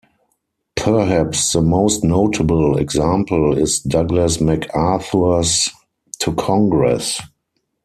Perhaps the most notable example is Douglas MacArthur's to Congress.